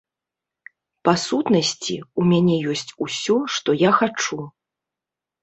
Па сутнасці, у мяне ёсць усё, што я хачу.